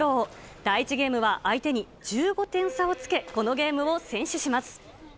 第１ゲームは相手に１５点差をつけ、このゲームを先取します。